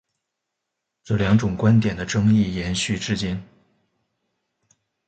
这两种观点的争议延续至今。